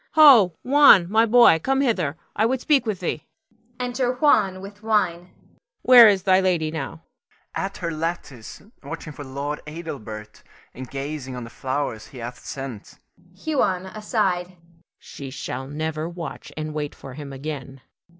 Ho, Juan, my boy! come hither; I would speak with thee. [Enter Juan with wine.] Where is thy lady now? Juan. At her lattice, watching for Lord Adelbert, and gazing on the flowers he hath sent. Huon [aside]. She shall never watch and wait for him again.